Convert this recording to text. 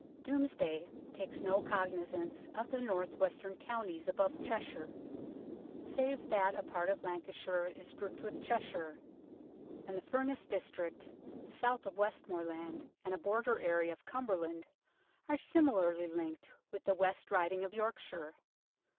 Domesday takes no cognizance of the north western counties above Cheshire, save that a part of Lancashire is grouped with Cheshire ; and the Furness district, the south of Westmoreland and a border area of Cumberland are similarly linked with the West Riding of Yorkshire.